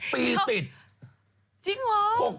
๖ปีติดจริงเหรอ๖ปีติด